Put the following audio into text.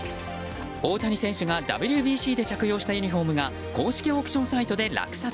大谷選手がＷＢＣで着用したユニホームが公式オークションサイトで落札。